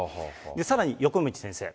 さらに横道先生。